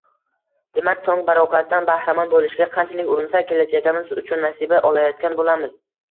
Demak, tong barokotidan bahramand bo`lishga qanchalik urinsak, kelajagimiz uchun nasiba olayotgan bo`lamiz